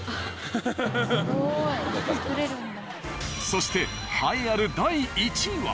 そして栄えある。